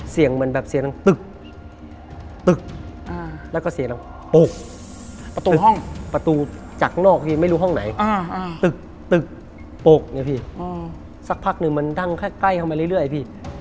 สักพักนึงมันดั้งแค่ใกล้เข้าไปเรื่อยไอ้พี่